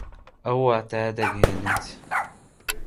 ئەو واتایە دەگەیەنێت